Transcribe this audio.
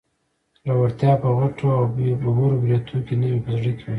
زړورتيا په غټو او ببرو برېتو کې نه وي، په زړه کې وي